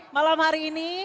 malam hari ini